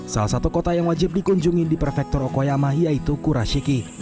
salah satu kota yang wajib dikunjungi di prefektur okoyama yaitu kurashiki